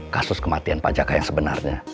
kasus kematian pajak yang sebenarnya